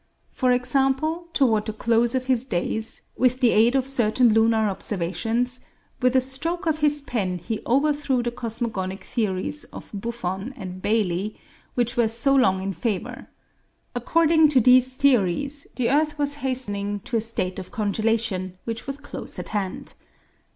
For example, toward the close of his days, with the aid of certain lunar observations, with a stroke of his pen he overthrew the cosmogonic theories of Buffon and Bailly, which were so long in favor. According to these theories, the earth was hastening to a state of congelation which was close at hand.